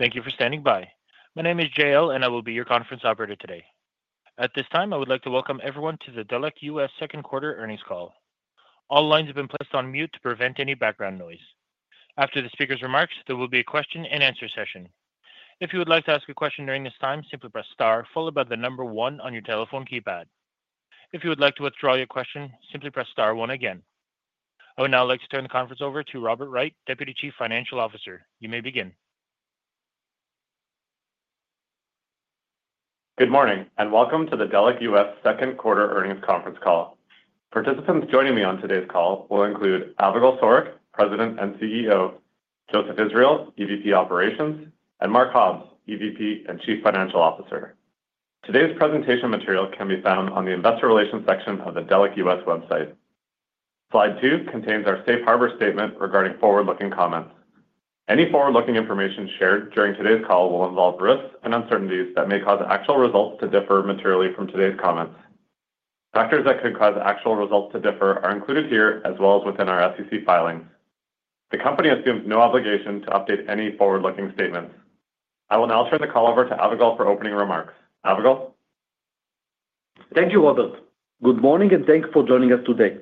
Thank you for standing by. My name is Jael and I will be your conference operator today. At this time, I would like to welcome everyone to the Delek US second quarter earnings call. All lines have been placed on mute to prevent any background noise. After the speaker's remarks, there will be a question and answer session. If you would like to ask a question during this time, simply press star followed by the number one on your telephone keypad. If you would like to withdraw your question, simply press star one again. I would now like to turn the conference over to Robert Wright, Deputy Chief Financial Officer. You may begin. Good morning and welcome to the Delek US second quarter earnings conference call. Participants joining me on today's call will include Avigal Soreq, President and CEO; Joseph Israel, EVP Operations; and Mark Hobbs, EVP and Chief Financial Officer. Today's presentation material can be found on the Investor Relations section of the Delek US website. Slide two contains our safe harbor statement regarding forward-looking comments. Any forward-looking information shared during today's call will involve risks and uncertainties that may cause actual results to differ materially from today's comments. Factors that could cause actual results to differ are included here as well as within our SEC filing. The company assumes no obligation to update any forward-looking statements. I will now turn the call over to Avigal for opening remarks. Avigal? Thank you, Robert. Good morning and thanks for joining us today.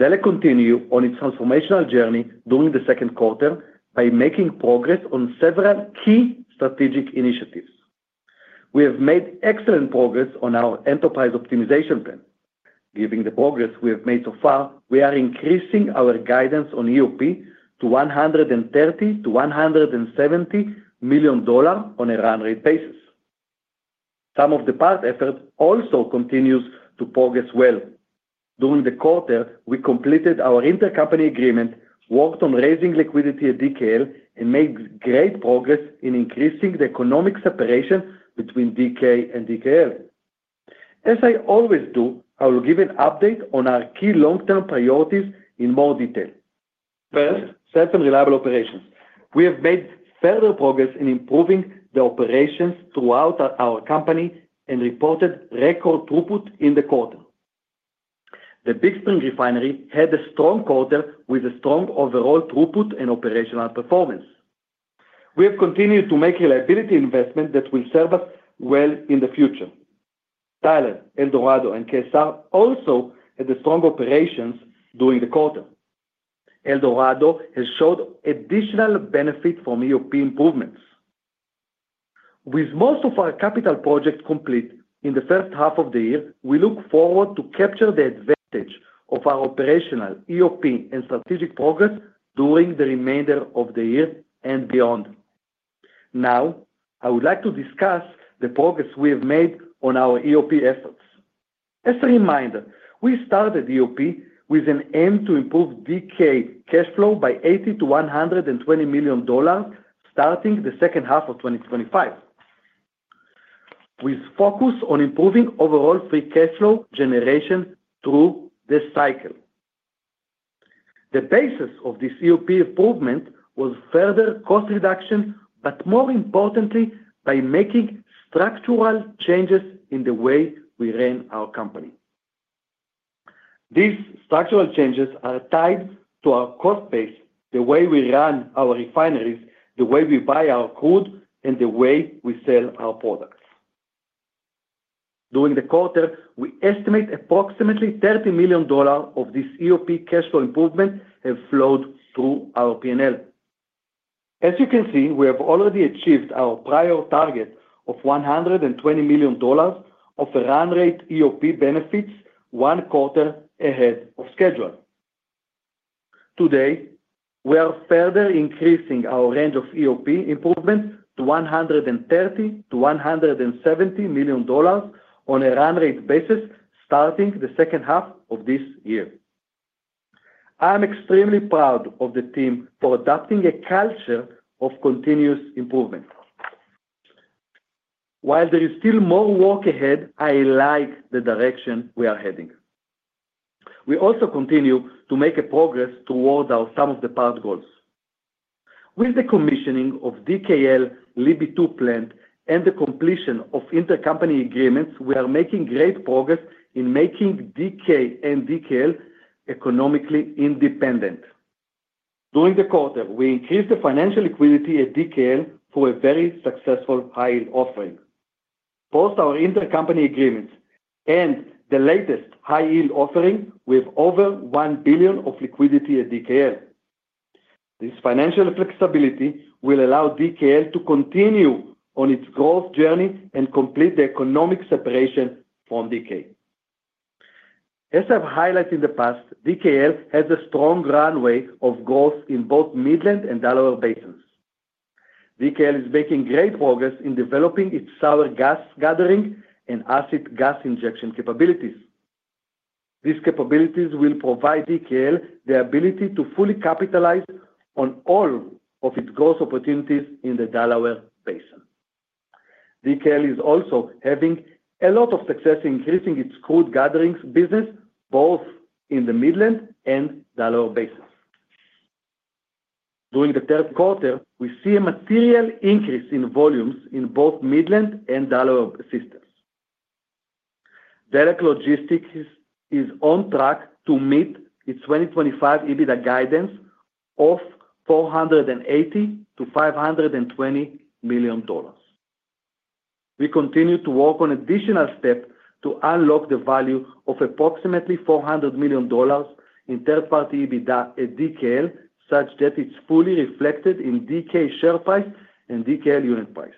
Delek US continues on its transformational journey during the second quarter by making progress on several key strategic initiatives. We have made excellent progress on our Enterprise Optimization Plan. Given the progress we have made so far, we are increasing our guidance on EOP to $130 million-$170 million on a run rate basis. Sum-of-the-parts effort also continues to progress well. During the quarter, we completed our intercompany agreement, worked on raising liquidity at DKL, and made great progress in increasing the economic separation between DK and DKL. As I always do, I will give an update on our key long-term priorities in more detail. First, safe and reliable operations. We have made further progress in improving the operations throughout our company and reported record throughput in the quarter. The Big Spring refinery had a strong quarter with a strong overall throughput and operational performance. We have continued to make a liability investment that will serve us well in the future. Tyler, El Dorado, and KS, also had strong operations during the quarter. El Dorado has shown additional benefits from EOP improvements. With most of our capital projects complete in the first half of the year, we look forward to capture the advantage of our operational EOP and strategic progress during the remainder of the year and beyond. Now, I would like to discuss the progress we have made on our EOP efforts. As a reminder, we started EOP with an aim to improve DK cash flow by $80 million-$120 million starting the second half of 2025. We focus on improving overall free cash flow generation through this cycle. The basis of this EOP improvement was further cost reduction, but more importantly, by making structural changes in the way we ran our company. These structural changes are tied to our cost base, the way we run our refineries, the way we buy our crude, and the way we sell our products. During the quarter, we estimate approximately $30 million of this EOP cash flow improvement have flowed through our P&L. As you can see, we have already achieved our prior target of $120 million of run rate EOP benefits one quarter ahead of schedule. Today, we are further increasing our range of EOP improvements to $130 million-$170 million on a run rate basis starting the second half of this year. I'm extremely proud of the team for adopting a culture of continuous improvement. While there is still more work ahead, I like the direction we are heading. We also continue to make progress toward some of the part goals. With the commissioning of DKL LB2 Plant and the completion of intercompany agreements, we are making great progress in making DK and DKL, economically independent. During the quarter, we increased the financial liquidity at DKL through a very successful high-yield offering. Both our intercompany agreements and the latest high-yield offering result in over $1 billion of liquidity at DKL. This financial flexibility will allow DKL to continue on its growth journey and complete the economic separation from DK. As I've highlighted in the past, DKL has a strong runway of growth in both the Midland and Delaware Basins. DKL is making great progress in developing its sour gas gathering and acid gas injection capabilities. These capabilities will provide DKL the ability to fully capitalize on all of its growth opportunities in the Delaware Basin. DKL is also having a lot of success increasing its crude gathering business both in the Midland and Delaware Basins. During the third quarter, we see a material increase in volumes in both Midland and Delaware systems. Delek Logistics is on track to meet its 2025 adjusted EBITDA guidance of $480 million-$520 million. We continue to work on additional steps to unlock the value of approximately $400 million in third-party adjusted EBITDA at DKL such that it's fully reflected in DK share price and DKL unit price.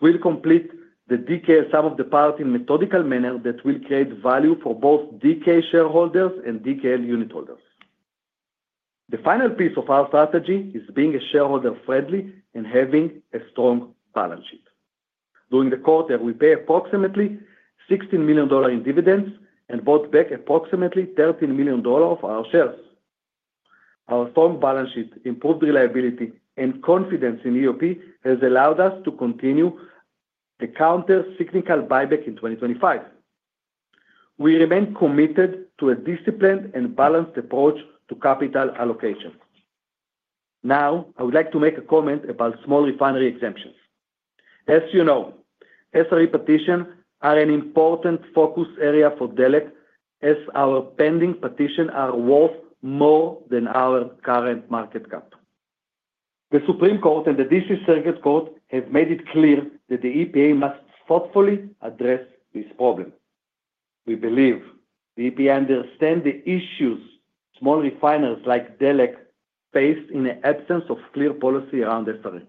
We'll complete the DKL sum-of-the-parts initiatives in a methodical manner that will create value for both DK shareholders and DKL unit holders. The final piece of our strategy is being shareholder-friendly and having a strong balance sheet. During the quarter, we paid approximately $16 million in dividends and bought back approximately $13 million of our shares. Our strong balance sheet, improved reliability, and confidence in the EOP has allowed us to continue the counter-cyclical buyback in 2025. We remain committed to a disciplined and balanced approach to capital allocation. Now, I would like to make a comment about Small Refinery Exemptions. As you know, SRE petitions are an important focus area for Delek as our pending petitions are worth more than our current market cap. The Supreme Court and the District Circuit Court have made it clear that the EPA must thoughtfully address this problem. We believe the EPA understands the issues small refiners like Delek face in the absence of clear policy around SRE.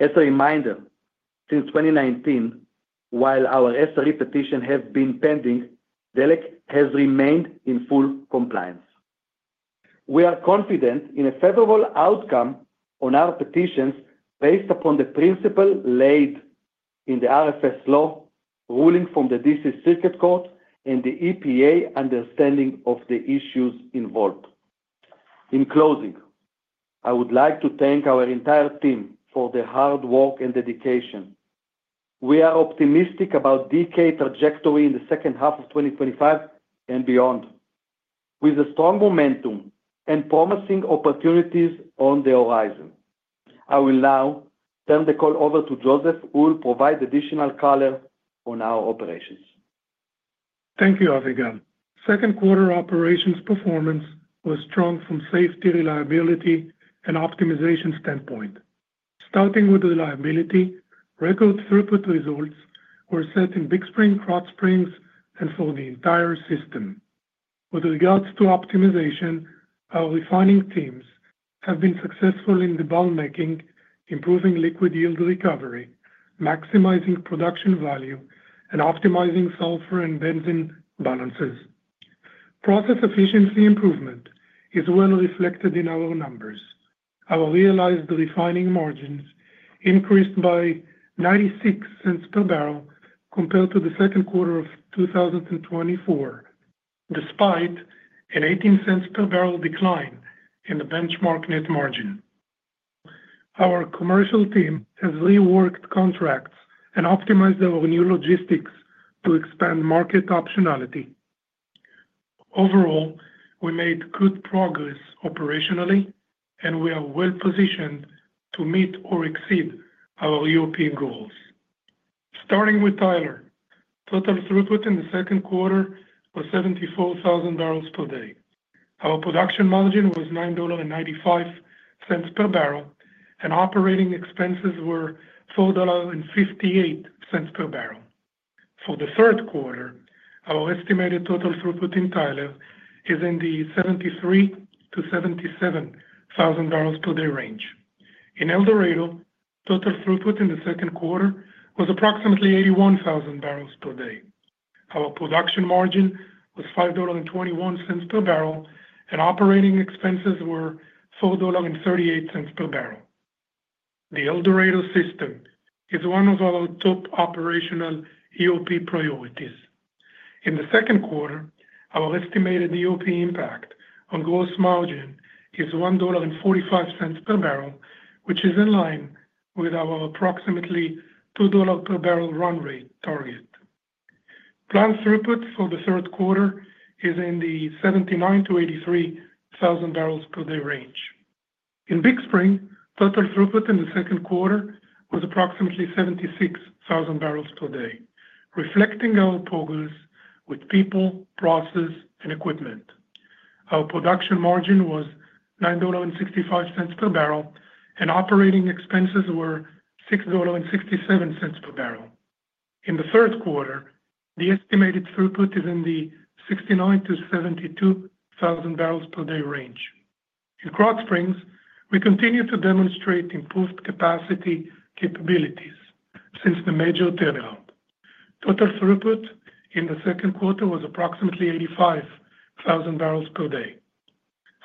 As a reminder, since 2019, while our SRE petition has been pending, Delek has remained in full compliance. We are confident in a favorable outcome on our petitions based upon the principle laid in the RFS law ruling from the District Circuit Court and the EPA understanding of the issues involved. In closing, I would like to thank our entire team for their hard work and dedication. We are optimistic about DK trajectory in the second half of 2025 and beyond, with a strong momentum and promising opportunities on the horizon. I will now turn the call over to Joseph, who will provide additional color on our operations. Thank you, Avigal. Second quarter operations performance was strong from a safety, reliability, and optimization standpoint. Starting with reliability, record throughput results were set in Big Spring, Krotz Springs, and for the entire system. With regards to optimization, our refining teams have been successful in debottlenecking, improving liquid yield recovery, maximizing production value, and optimizing sulfur and benzene balances. Process efficiency improvement is well reflected in our numbers. Our realized refining margins increased by $0.96 per barrel compared to the second quarter of 2024, despite an $0.18 per barrel decline in the benchmark net margin. Our commercial team has reworked contracts and optimized our new logistics to expand market optionality. Overall, we made good progress operationally, and we are well positioned to meet or exceed our EOP goals. Starting with Tyler, total throughput in the second quarter was 74,000 barrels per day. Our production margin was $9.95 per barrel, and operating expenses were $4.58 per barrel. For the third quarter, our estimated total throughput in Tyler is in the 73,000-77,000 barrels per day range. In El Dorado, total throughput in the second quarter was approximately 81,000 barrels per day. Our production margin was $5.21 per barrel, and operating expenses were $4.38 per barrel. The El Dorado system is one of our top operational EOP priorities. In the second quarter, our estimated EOP impact on gross margin is $1.45 per barrel, which is in line with our approximately $2 per barrel run-rate target. Plant throughput for the third quarter is in the 79,000-83,000 barrels per day range. In Big Spring, total throughput in the second quarter was approximately 76,000 barrels per day, reflecting our progress with people, process, and equipment. Our production margin was $9.65 per barrel, and operating expenses were $6.67 per barrel. In the third quarter, the estimated throughput is in the 69,000-72,000 barrels per day range. In Krotz Springs, we continue to demonstrate improved capacity capabilities since the major turnaround. Total throughput in the second quarter was approximately 85,000 barrels per day.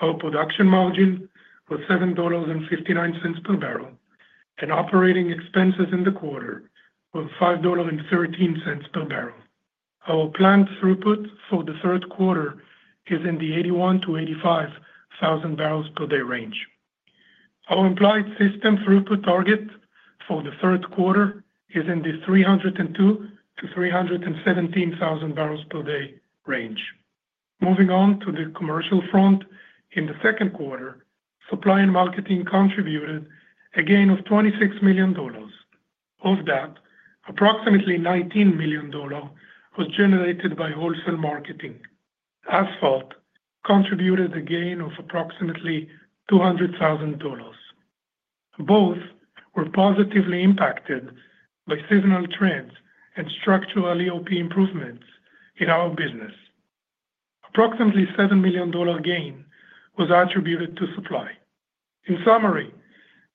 Our production margin was $7.59 per barrel, and operating expenses in the quarter were $5.13 per barrel. Our plant throughput for the third quarter is in the 81,000-85,000 barrels per day range. Our implied system throughput target for the third quarter is in the 302,000-317,000 barrels per day range. Moving on to the commercial front, in the second quarter, supply and marketing contributed a gain of $26 million. Of that, approximately $19 million was generated by wholesale marketing. Asphalt contributed a gain of approximately $0.2 million. Both were positively impacted by seasonal trends and structural EOP improvements in our business. Approximately $7 million gain was attributed to supply. In summary,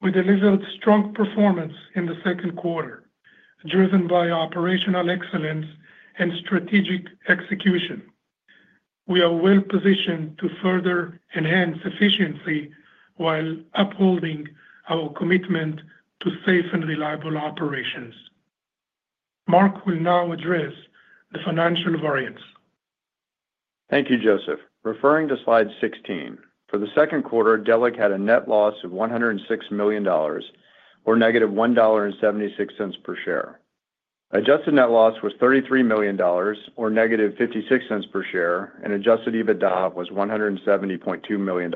we delivered strong performance in the second quarter, driven by operational excellence and strategic execution. We are well positioned to further enhance efficiency while upholding our commitment to safe and reliable operations. Mark will now address the financial variance. Thank you, Joseph. Referring to slide 16, for the second quarter, Delek had a net loss of $106 million, or -$1.76 per share. Adjusted net loss was $33 million, or -$0.56 per share, and adjusted EBITDA was $170.2 million.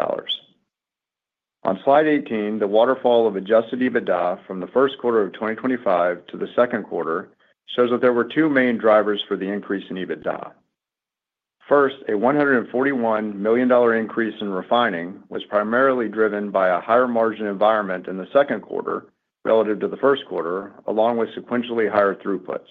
On slide 18, the waterfall of adjusted EBITDA from the first quarter of 2025 to the second quarter shows that there were two main drivers for the increase in EBITDA. First, a $141 million increase in refining was primarily driven by a higher margin environment in the second quarter relative to the first quarter, along with sequentially higher throughputs.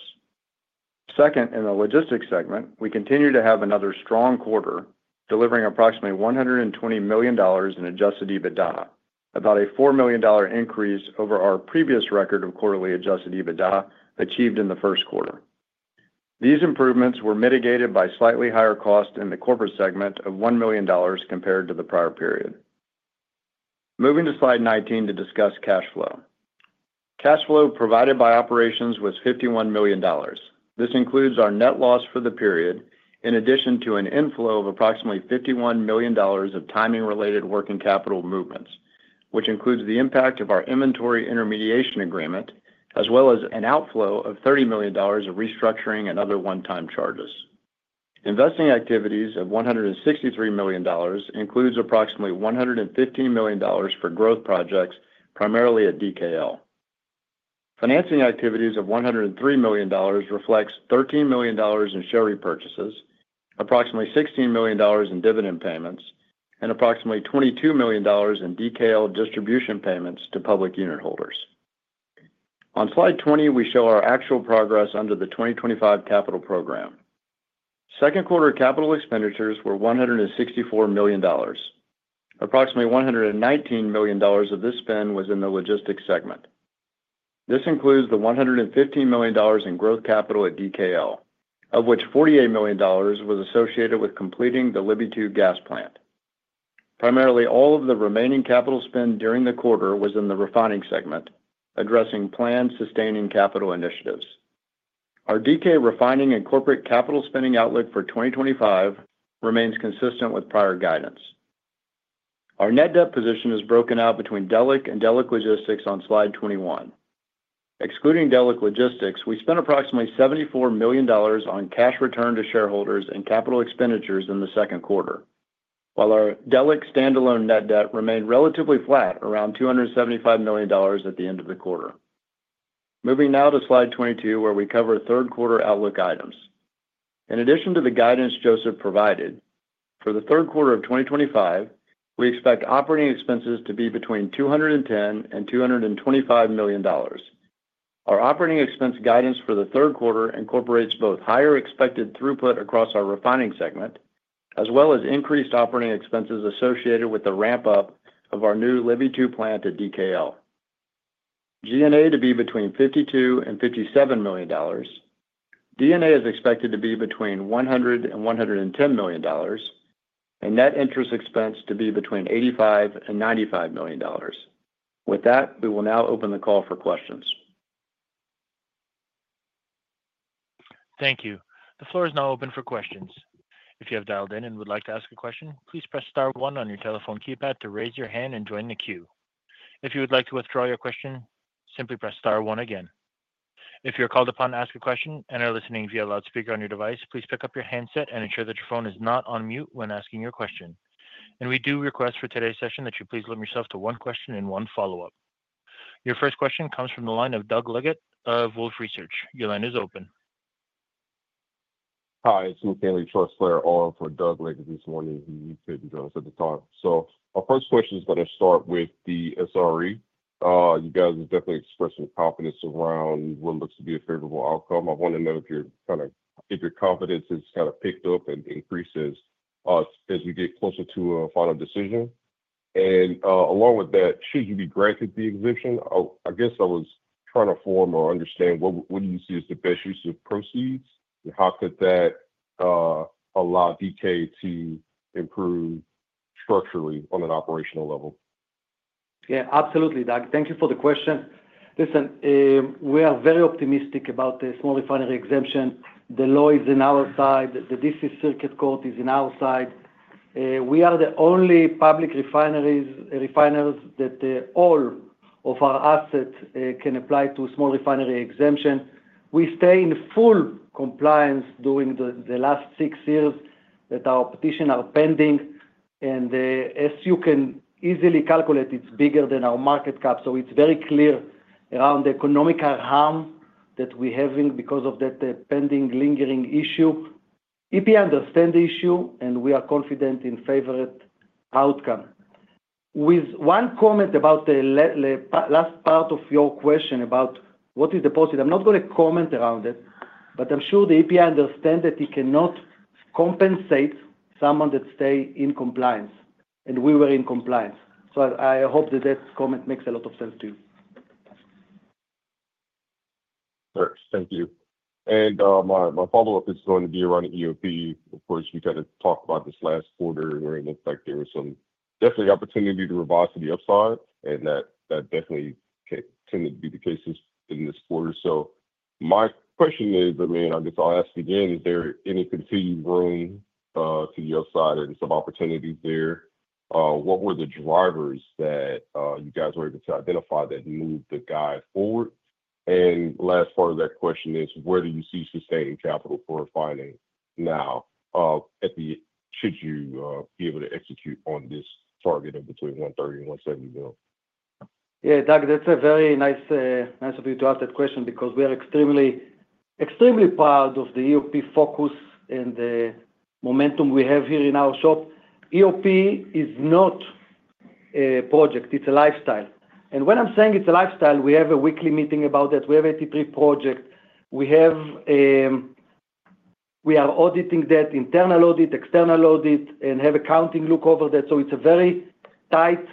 Second, in the logistics segment, we continue to have another strong quarter delivering approximately $120 million in adjusted EBITDA, about a $4 million increase over our previous record of quarterly adjusted EBITDA achieved in the first quarter. These improvements were mitigated by slightly higher costs in the corporate segment of $1 million compared to the prior period. Moving to slide 19 to discuss cash flow. Cash flow provided by operations was $51 million. This includes our net loss for the period, in addition to an inflow of approximately $51 million of timing-related working capital movements, which includes the impact of our inventory intermediation agreement, as well as an outflow of $30 million of restructuring and other one-time charges. Investing activities of $163 million include approximately $115 million for growth projects, primarily at DKL. Financing activities of $103 million reflect $13 million in share repurchases, approximately $16 million in dividend payments, and approximately $22 million in DKL distribution payments to public unit holders. On slide 20, we show our actual progress under the 2025 capital program. Second quarter capital expenditures were $164 million. Approximately $119 million of this spend was in the logistics segment. This includes the $115 million in growth capital at DKL, of which $48 million was associated with completing the LB2 Gas Plant. Primarily, all of the remaining capital spend during the quarter was in the refining segment, addressing planned sustaining capital initiatives. Our DK refining and corporate capital spending outlook for 2025 remains consistent with prior guidance. Our net debt position is broken out between Delek and Delek Logistics on slide 21. Excluding Delek Logistics, we spent approximately $74 million on cash return to shareholders and capital expenditures in the second quarter, while our Delek standalone net debt remained relatively flat, around $275 million at the end of the quarter. Moving now to slide 22, where we cover third quarter outlook items. In addition to the guidance Joseph provided, for the third quarter of 2025, we expect operating expenses to be between $210 million and $225 million. Our operating expense guidance for the third quarter incorporates both higher expected throughput across our refining segment, as well as increased operating expenses associated with the ramp-up of our LB2 Plant at DKL. G&A to be between $52 million and $57 million. D&A is expected to be between $100 million and $110 million, and net interest expense to be between $85 million and $95 million. With that, we will now open the call for questions. Thank you. The floor is now open for questions. If you have dialed in and would like to ask a question, please press star one on your telephone keypad to raise your hand and join the queue. If you would like to withdraw your question, simply press star one again. If you're called upon to ask a question and are listening via a loudspeaker on your device, please pick up your handset and ensure that your phone is not on mute when asking your question. We do request for today's session that you please limit yourself to one question and one follow-up. Your first question comes from the line of Doug Leggett of Wolfe Research. Your line is open. Hi, it's Keith Stanley, first player on for Doug Leggett this morning. He's here to join us at the top. Our first question is going to start with the SRE. You guys have definitely expressed some confidence around what looks to be a favorable outcome. I want to know if your confidence has kind of picked up and increases as we get closer to a final decision. Along with that, should you be granted the exemption, I guess I was trying to form or understand what do you see as the best use of proceeds and how could that allow DK to improve structurally on an operational level? Yeah, absolutely, Doug. Thank you for the question. Listen, we are very optimistic about the Small Refinery Exemption. The law is on our side. The District Circuit Court is on our side. We are the only public refiners that all of our assets can apply to a Small Refinery Exemption. We stay in full compliance during the last six years that our petitions are pending. As you can easily calculate, it's bigger than our market cap. It is very clear around the economical harm that we're having because of that pending lingering issue. EPA understands the issue and we are confident in a favorable outcome. With one comment about the last part of your question about what is the positive, I'm not going to comment around it, but I'm sure the EPA understands that it cannot compensate someone that stays in compliance. We were in compliance. I hope that that comment makes a lot of sense to you. Thank you. My follow-up is going to be around the EOP. Of course, we kind of talked about this last quarter, and hearing the fact there was some definite opportunity to revise to the upside, that definitely tended to be the case in this quarter. My question is, I guess I'll ask again, is there any continued room to the upside and some opportunities there? What were the drivers that you guys were able to identify that moved the guide forward? The last part of that question is, where do you see sustaining capital for refining now? Should you be able to execute on this target of between $130 million and $170 million? Yeah, Doug, that's very nice of you to ask that question because we are extremely, extremely proud of the EOP focus and the momentum we have here in our shop. EOP is not a project. It's a lifestyle. When I'm saying it's a lifestyle, we have a weekly meeting about that. We have 83 projects. We are auditing that, internal audit, external audit, and have accounting look over that. It's a very tight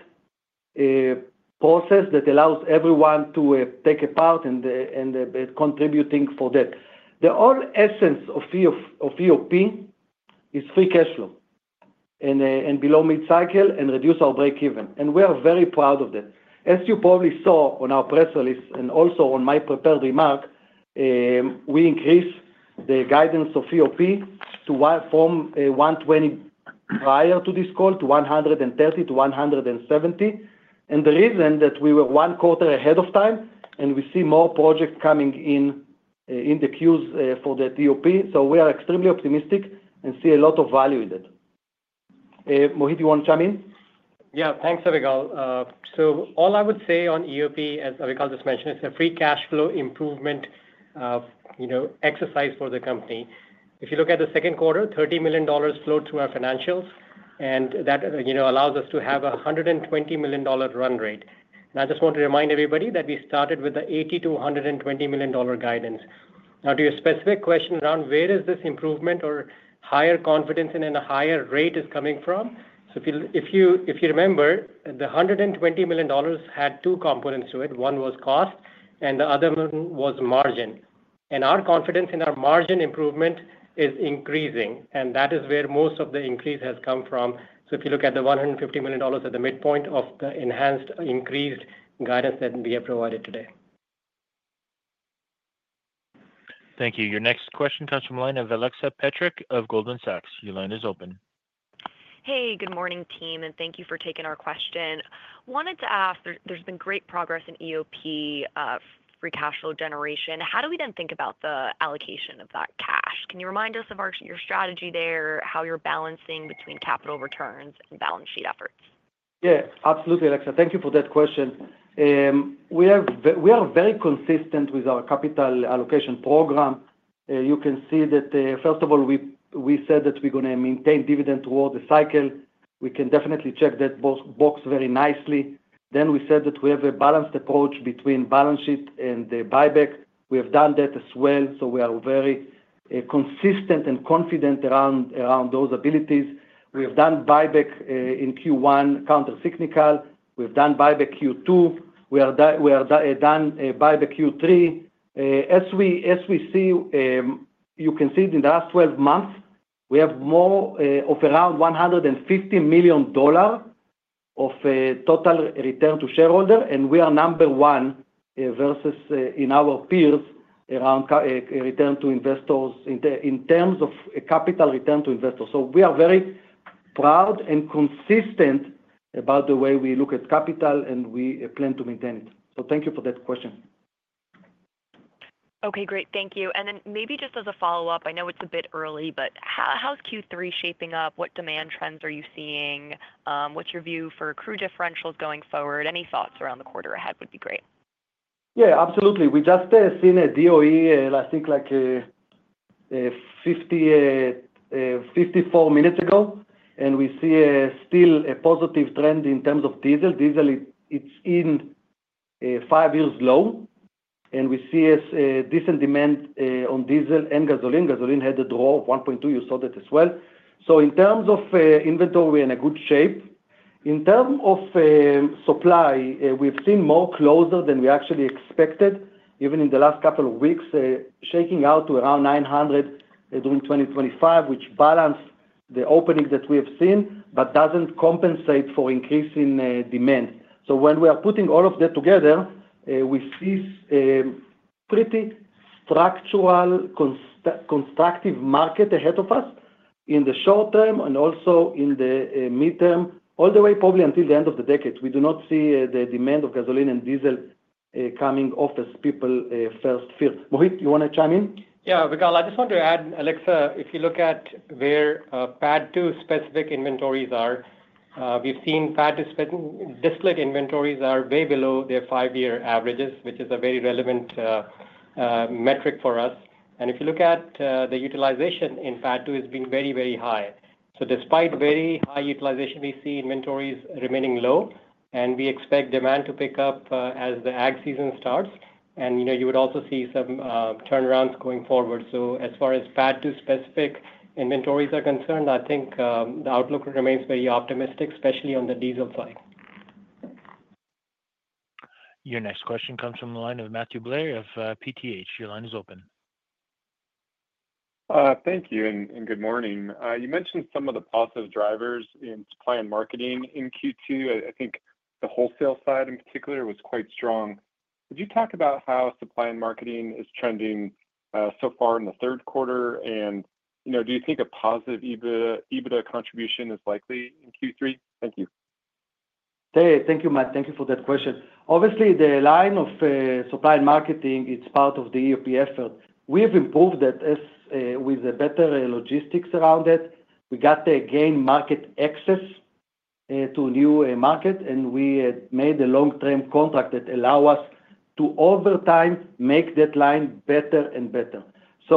process that allows everyone to take a part and be contributing for that. The whole essence of EOP is free cash flow and below mid-cycle and reduce our break-even. We are very proud of that. As you probably saw on our press release and also on my prepared remark, we increased the guidance of EOP from $120 million prior to this call to $130 million-$170 million. The reason is that we were one quarter ahead of time and we see more projects coming in in the queues for that EOP. We are extremely optimistic and see a lot of value in it. Mohit, do you want to chime in? Yeah, thanks, Avigal. All I would say on the EOP, as Avigal just mentioned, it's a free cash flow improvement exercise for the company. If you look at the second quarter, $30 million flowed through our financials, and that allows us to have a $120 million run rate. I just want to remind everybody that we started with the $80 million-$120 million guidance. Now, to your specific question around where is this improvement or higher confidence in a higher rate coming from, if you remember, the $120 million had two components to it. One was cost, and the other one was margin. Our confidence in our margin improvement is increasing, and that is where most of the increase has come from. If you look at the $150 million at the midpoint of the enhanced increased guidance that we have provided today. Thank you. Your next question comes from a line of Alexa Petrick of Goldman Sachs. Your line is open. Hey, good morning, team, and thank you for taking our question. I wanted to ask, there's been great progress in EOP free cash flow generation. How do we then think about the allocation of that cash? Can you remind us of your strategy there, how you're balancing between capital returns and balance sheet efforts? Yeah, absolutely, Alexa. Thank you for that question. We are very consistent with our capital allocation program. You can see that, first of all, we said that we're going to maintain dividends throughout the cycle. We can definitely check that box very nicely. We said that we have a balanced approach between balance sheet and buyback. We have done that as well. We are very consistent and confident around those abilities. We have done buyback in Q1 countercyclical. We've done buyback Q2. We have done buyback Q3. As you see, you can see in the last 12 months, we have more of around $150 million of total return to shareholders, and we are number one versus our peers around return to investors in terms of capital return to investors. We are very proud and consistent about the way we look at capital and we plan to maintain it. Thank you for that question. Okay, great. Thank you. Maybe just as a follow-up, I know it's a bit early, but how's Q3 shaping up? What demand trends are you seeing? What's your view for accrued differentials going forward? Any thoughts around the quarter ahead would be great. Yeah, absolutely. We just seen a DOE, I think, like 54 minutes ago, and we see still a positive trend in terms of diesel. Diesel, it's in five years low, and we see a decent demand on diesel and gasoline. Gasoline had a draw of $1.2. You saw that as well. In terms of inventory, we're in a good shape. In terms of supply, we've seen more closer than we actually expected, even in the last couple of weeks, shaking out to around 900 during 2025, which balances the opening that we have seen but doesn't compensate for increasing demand. When we are putting all of that together, we see a pretty structural constructive market ahead of us in the short term and also in the midterm, all the way probably until the end of the decade. We do not see the demand of gasoline and diesel coming off as people first feel. Mohit, you want to chime in? Yeah, Avigal, I just want to add, Alexa, if you look at where PADD2 specific inventories are, we've seen PADD2 distillate inventories are way below their five-year averages, which is a very relevant metric for us. If you look at the utilization in PADD2, it's been very, very high. Despite very high utilization, we see inventories remaining low, and we expect demand to pick up as the ag season starts. You would also see some turnarounds going forward. As far as PADD2 specific inventories are concerned, I think the outlook remains very optimistic, especially on the diesel side. Your next question comes from the line of Matthew Blair of TPH. Your line is open. Thank you, and good morning. You mentioned some of the positive drivers in supply and marketing in Q2. I think the wholesale side in particular was quite strong. Could you talk about how supply and marketing is trending so far in the third quarter? Do you think a positive EBITDA contribution is likely in Q3? Thank you. Thank you, Matt. Thank you for that question. Obviously, the line of supply and marketing is part of the EOP effort. We've improved that with better logistics around it. We got to gain market access to a new market, and we made a long-term contract that allowed us to, over time, make that line better and better.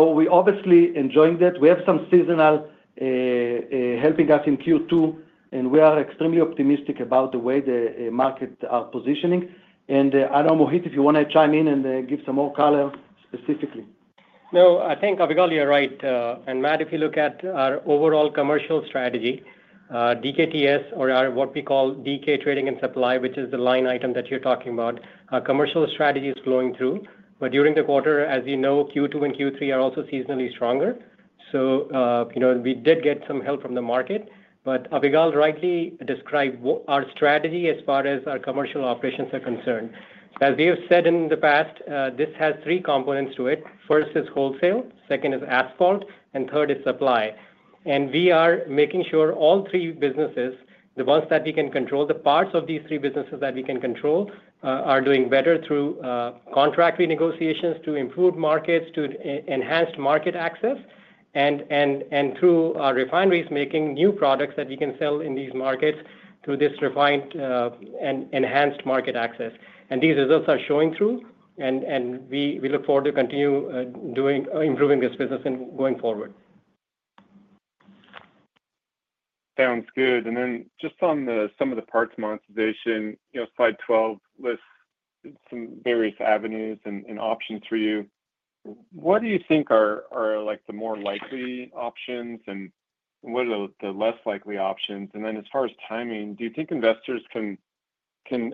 We're obviously enjoying that. We have some seasonal helping us in Q2, and we are extremely optimistic about the way the markets are positioning. I don't know, Mohit, if you want to chime in and give some more color specifically. No, I think Avigal, you're right. And Matt, if you look at our overall commercial strategy, DKTS, or what we call DK Trading and Supply, which is the line item that you're talking about, our commercial strategy is flowing through. During the quarter, as you know, Q2 and Q3 are also seasonally stronger. We did get some help from the market. Avigal rightly described our strategy as far as our commercial operations are concerned. As we have said in the past, this has three components to it. First is wholesale, second is asphalt, and third is supply. We are making sure all three businesses, the ones that we can control, the parts of these three businesses that we can control, are doing better through contractor negotiations to improve markets, to enhanced market access, and through our refineries making new products that we can sell in these markets through this refined and enhanced market access. These results are showing through, and we look forward to continue improving this business and going forward. Sounds good. Just on sum-of-the-parts monetization, slide 12 lists some various avenues and options for you. What do you think are the more likely options and what are the less likely options? As far as timing, do you think investors can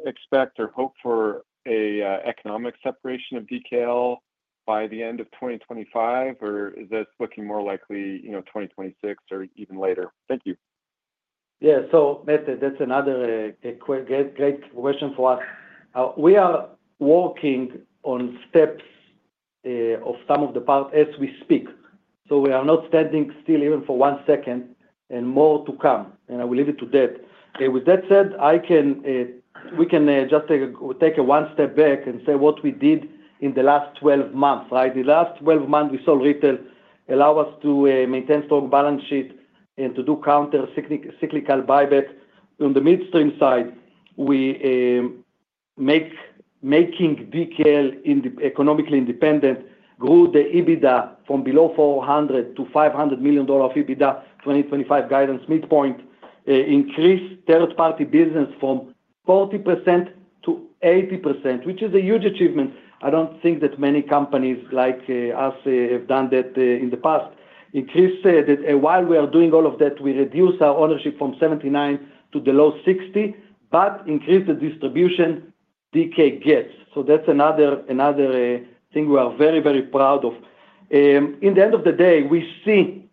expect or hope for an economic separation of DKL by the end of 2025, or is this looking more likely 2026 or even later? Thank you. Yeah, that's another great question for us. We are walking on steps of sum-of-the-parts as we speak. We are not standing still even for one second and more to come, and I will leave it at that. With that said, we can just take one step back and say what we did in the last 12 months, right? The last 12 months we sold retail, allowed us to maintain a strong balance sheet and to do counter-cyclical buyback. On the midstream side, we're making DKL economically independent, grew the adjusted EBITDA from below $400 million-$500 million of EBITDA 2025 guidance midpoint, increased third-party business from 40%-80%, which is a huge achievement. I don't think that many companies like us have done that in the past. Increased that while we are doing all of that, we reduced our ownership from 79% to below 60%, but increased the distribution DK gets. That's another thing we are very, very proud of. In the end of the day, we see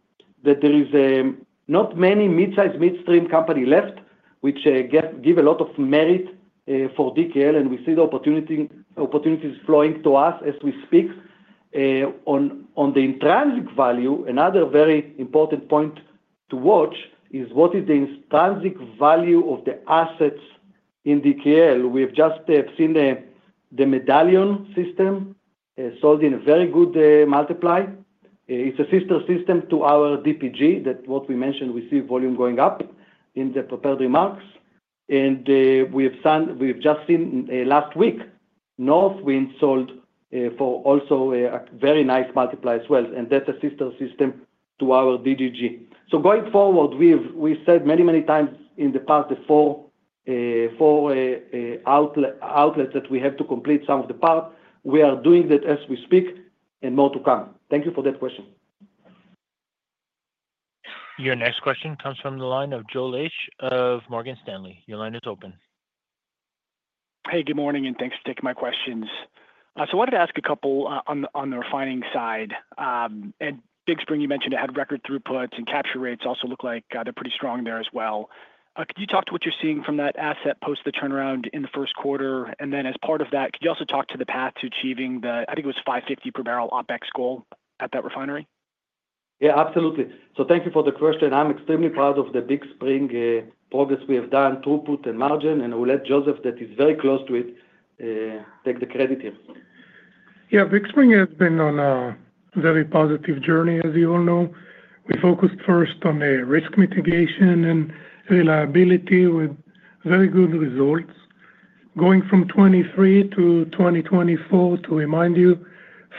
that there are not many mid-sized midstream companies left, which gives a lot of merit for DKL, and we see the opportunities flowing to us as we speak. On the intrinsic value, another very important point to watch is what is the intrinsic value of the assets in DKL. We have just seen the Medallion system sold at a very good multiple. It's a sister system to our DPG that we mentioned, we see volume going up in the prepared remarks. We have just seen last week, Northwind sold for also a very nice multiple as well, and that's a sister system to our DDG. Going forward, we've said many, many times in the past the four outlets that we have to complete sum-of-the-parts. We are doing that as we speak and more to come. Thank you for that question. Your next question comes from the line of Joe Laetsch of Morgan Stanley. Your line is open. Hey, good morning, and thanks for taking my questions. I wanted to ask a couple on the refining side. At Big Spring, you mentioned it had record throughputs and capture rates also look like they're pretty strong there as well. Could you talk to what you're seeing from that asset post the turnaround in the first quarter? As part of that, could you also talk to the path to achieving the, I think it was $5.50 per barrel OpEx goal at that refinery? Yeah, absolutely. Thank you for the question. I'm extremely proud of the Big Spring progress we have done, throughput and margin, and I will let Joseph, that is very close to it, take the credit here. Yeah, Big Spring has been on a very positive journey, as you all know. We focused first on risk mitigation and reliability with very good results. Going from 2023-2024, to remind you,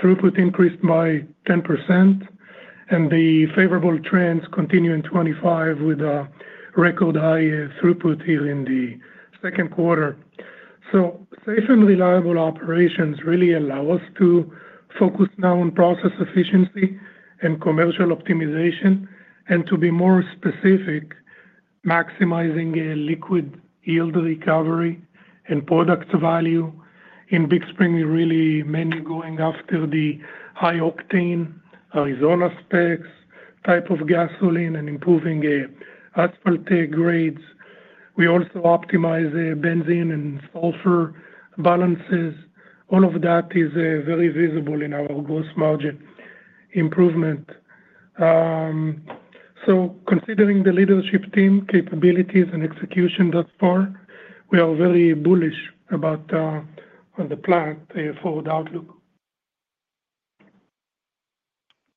throughput increased by 10%, and the favorable trends continue in 2025 with a record high throughput here in the second quarter. Safe and reliable operations really allow us to focus now on process efficiency and commercial optimization, and to be more specific, maximizing liquid yield recovery and product value. In Big Spring, we really mainly go after the high octane, Arizona specs type of gasoline and improving asphalt grades. We also optimize benzene and sulfur balances. All of that is very visible in our gross margin improvement. Considering the leadership team, capabilities, and execution thus far, we are very bullish about the plant forward outlook.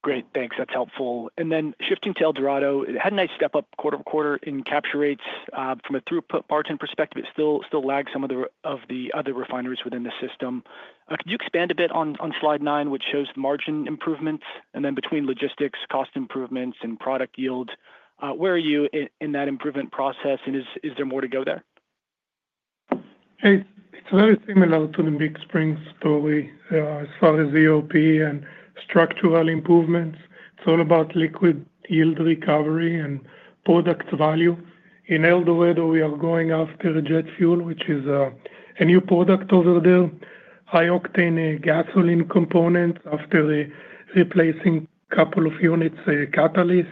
Great, thanks. That's helpful. Shifting to El Dorado, it had a nice step up quarter-to-quarter in capture rates. From a throughput margin perspective, it still lags some of the other refineries within the system. If you expand a bit on slide nine, which shows the margin improvements, and then between logistics, cost improvements, and product yield, where are you in that improvement process, and is there more to go there? It's very similar to the Big Spring story as far as EOP and structural improvements. It's all about liquid yield recovery and product value. In El Dorado, we are going after jet fuel, which is a new product over there. High octane gasoline components after replacing a couple of units catalyst,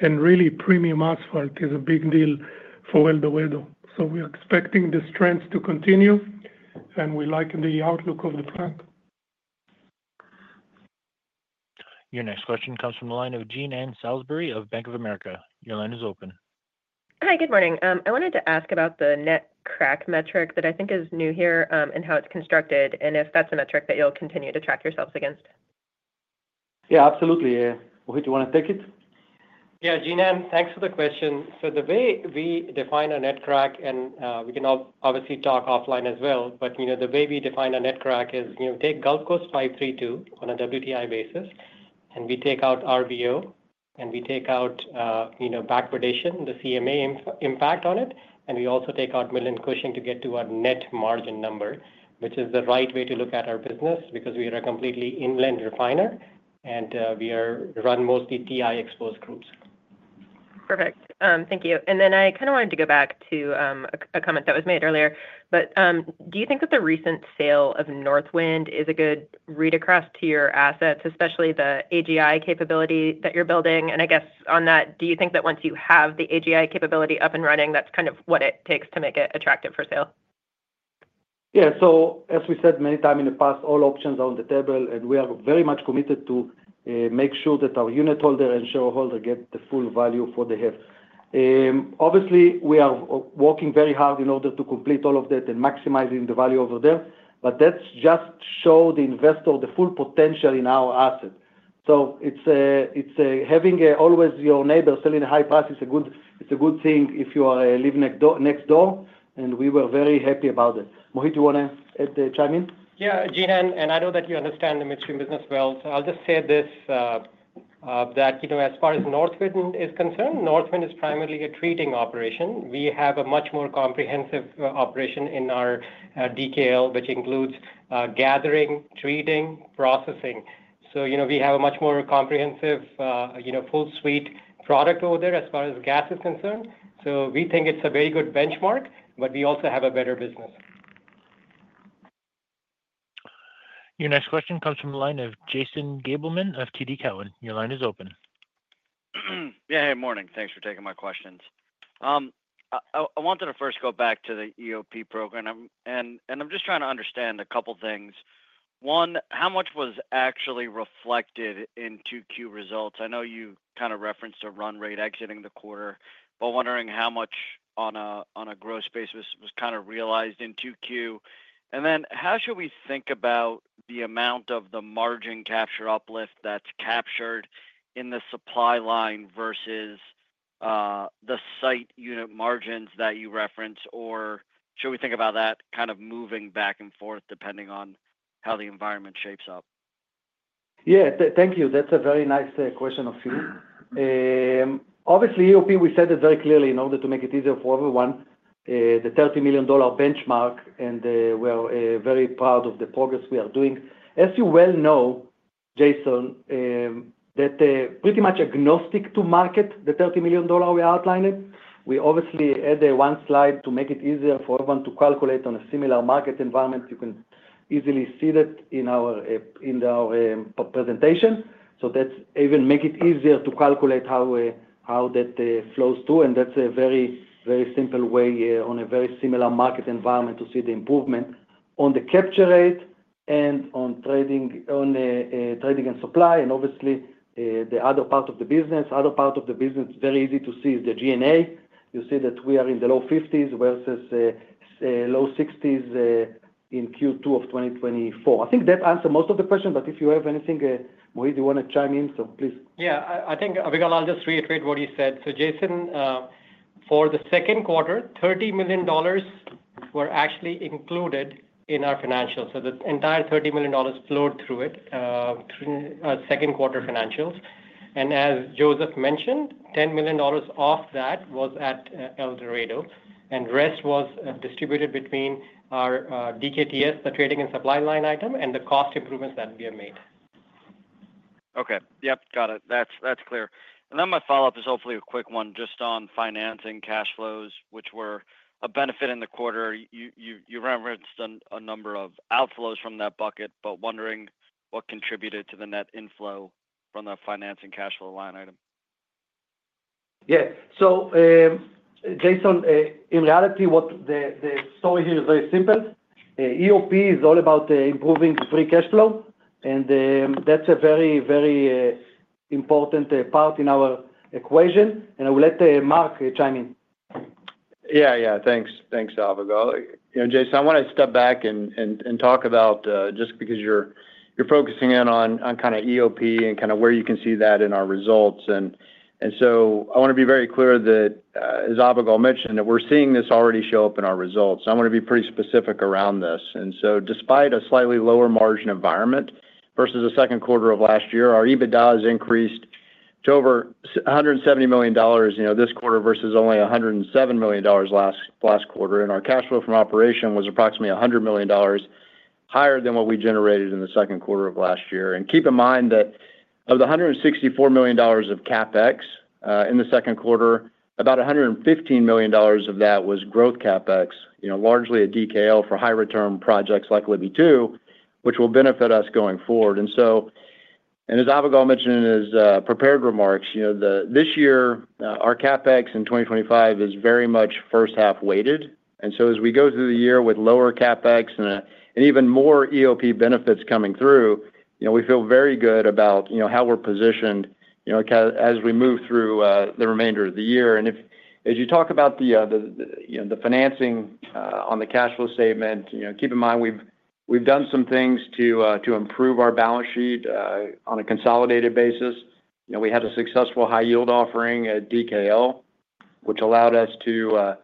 and really premium asphalt is a big deal for El Dorado. We are expecting the strength to continue, and we like the outlook of the plant. Your next question comes from the line of Jean Ann Salisbury of Bank of America. Your line is open. Hi, good morning. I wanted to ask about the Net Crack metric that I think is new here, how it's constructed, and if that's a metric that you'll continue to track yourselves against. Yeah, absolutely. Mohit, you want to take it? Jean Ann, thanks for the question. The way we define a Net Crack, and we can obviously talk offline as well, the way we define a Net Crack is we take Gulf Coast 5-3-2 on a WTI basis, and we take out RBO, and we take out back prediction, the CMA impact on it, and we also take out Midland Cushing to get to our net margin number, which is the right way to look at our business because we are a completely inland refiner, and we run mostly TI exposed groups. Perfect. Thank you. I kind of wanted to go back to a comment that was made earlier. Do you think that the recent sale of Northwind is a good read across to your assets, especially the acid gas injection capability that you're building? I guess on that, do you think that once you have the acid gas injection capability up and running, that's kind of what it takes to make it attractive for sale? Yeah, as we said many times in the past, all options are on the table, and we are very much committed to make sure that our unitholder and shareholder get the full value for their head. Obviously, we are working very hard in order to complete all of that and maximizing the value over there. That just shows the investor the full potential in our asset. Having always your neighbor selling a high price is a good thing if you are living next door, and we were very happy about it. Mohit, you want to chime in? Jean Ann, I know that you understand the midstream business well, so I'll just say this: as far as Northwind is concerned, Northwind is primarily a treating operation. We have a much more comprehensive operation in our DKL, which includes gathering, treating, and processing. We have a much more comprehensive, full suite product over there as far as gas is concerned. We think it's a very good benchmark, but we also have a better business. Your next question comes from the line of Jason Gabelman of TD Cowen. Your line is open. Yeah, hey, morning. Thanks for taking my questions. I wanted to first go back to the EOP, and I'm just trying to understand a couple of things. One, how much was actually reflected in Q2 results? I know you kind of referenced a run-rate exiting the quarter, but wondering how much on a gross basis was kind of realized in Q2. How should we think about the amount of the margin capture uplift that's captured in the supply line versus the site unit margins that you referenced? Should we think about that kind of moving back and forth depending on how the environment shapes up? Yeah, thank you. That's a very nice question of feeling. Obviously, EOP, we said it very clearly in order to make it easier for everyone, the $30 million benchmark, and we are very proud of the progress we are doing. As you well know, Jason, that's pretty much agnostic to market, the $30 million we outlined, we obviously added one slide to make it easier for everyone to calculate on a similar market environment. You can easily see that in our presentation. That's even making it easier to calculate how that flows through, and that's a very, very simple way on a very similar market environment to see the improvement on the capture rate and on trading and supply. Obviously, the other part of the business, the other part of the business, very easy to see is the G&A. You see that we are in the low 50s versus low 60s in Q2 of 2024. I think that answers most of the questions, but if you have anything, Mohit, you want to chime in, so please. Yeah, I think Avigal, I'll just reiterate what he said. Jason, for the second quarter, $30 million were actually included in our financials. The entire $30 million flowed through it, through our second quarter financials. As Joseph mentioned, $10 million of that was at El Dorado, and the rest was distributed between our DKTS, the trading and supply line item, and the cost improvements that we have made. Okay, got it. That's clear. My follow-up is hopefully a quick one just on financing cash flows, which were a benefit in the quarter. You referenced a number of outflows from that bucket, but wondering what contributed to the net inflow from the financing cash flow line item. Yeah, Jason, in reality, the story here is very simple. EOP is all about improving free cash flow, and that's a very, very important part in our equation. I will let Mark chime in. Yeah, yeah, thanks, Avigal. You know, Jason, I want to step back and talk about just because you're focusing in on kind of EOP and kind of where you can see that in our results. I want to be very clear that, as Avigal mentioned, we're seeing this already show up in our results. I want to be pretty specific around this. Despite a slightly lower margin environment versus the second quarter of last year, our EBITDA has increased to over $170 million this quarter versus only $107 million last quarter. Our cash flow from operation was approximately $100 million higher than what we generated in the second quarter of last year. Keep in mind that of the $164 million of CapEx in the second quarter, about $115 million of that was growth CapEx, largely at DKL for higher term projects like LB2, which will benefit us going forward. As Avigal mentioned in his prepared remarks, this year our CapEx in 2025 is very much first half weighted. As we go through the year with lower CapEx and even more EOP benefits coming through, we feel very good about how we're positioned as we move through the remainder of the year. If, as you talk about the financing on the cash flow statement, keep in mind we've done some things to improve our balance sheet on a consolidated basis. We had a successful high-yield offering at DKL, which allowed us to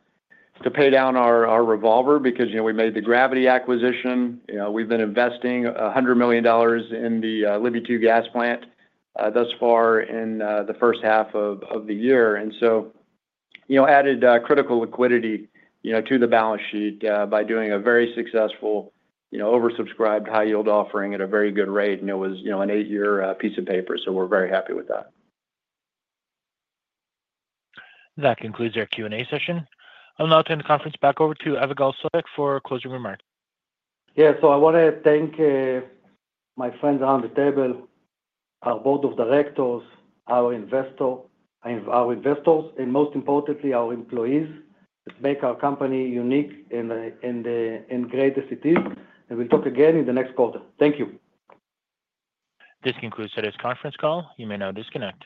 pay down our revolver because we made the gravity acquisition. We've been investing $100 million in the LB2 Gas Plant thus far in the first half of the year. We added critical liquidity to the balance sheet by doing a very successful, oversubscribed high-yield offering at a very good rate. It was an eight-year piece of paper, so we're very happy with that. That concludes our Q&A session. I'm now turning the conference back over to Avigal Soreq for a closing remark. Yeah, I want to thank my friends around the table, our Board of Directors, our investors, and most importantly, our employees. It makes our company unique and great as it is. We'll talk again in the next quarter. Thank you. This concludes today's conference call. You may now disconnect.